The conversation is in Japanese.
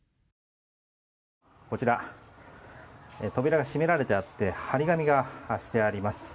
こちら扉が閉められてあって貼り紙がしてあります。